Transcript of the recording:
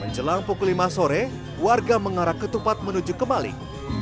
menjelang pukul lima sore warga mengarah ke tupat menuju kemalik